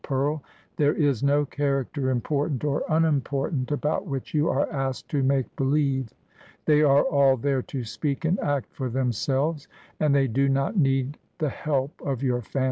Pearl, there is no character, im portant or imimportant, about which you are asked to make beHeve: they are all there to speak and act for themselves, and they do not need the help of your fancy.